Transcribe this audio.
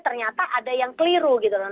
ternyata ada yang keliru gitu loh